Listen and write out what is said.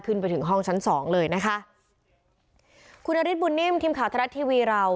ขึ้นไปถึงห้องชั้นสองเลยนะคะคุณอดิทบุญนิมทีมขาวธรรมดาทีวีเรา